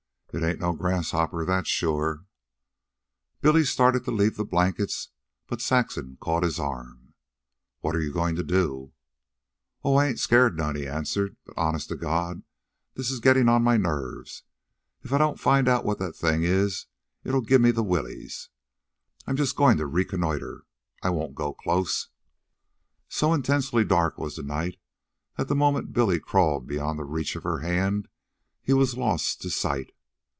"It ain't no grasshopper, that's sure." Billy started to leave the blankets, but Saxon caught his arm. "What are you going to do?" "Oh, I ain't scairt none," he answered. "But, honest to God, this is gettin' on my nerves. If I don't find what that thing is, it'll give me the willies. I'm just goin' to reconnoiter. I won't go close." So intensely dark was the night, that the moment Billy crawled beyond the reach of her hand he was lost to sight.